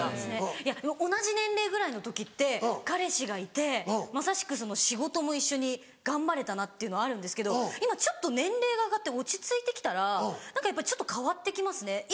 いや同じ年齢ぐらいの時って彼氏がいてまさしく仕事も一緒に頑張れたなっていうのあるんですけど今ちょっと年齢が上がって落ち着いて来たらちょっと変わって来ますね